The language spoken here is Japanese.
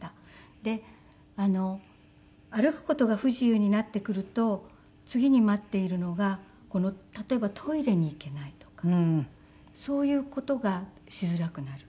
で歩く事が不自由になってくると次に待っているのが例えばトイレに行けないとかそういう事がしづらくなる。